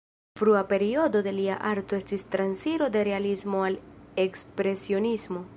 Frua periodo de lia arto estis transiro de realismo al ekspresionismo.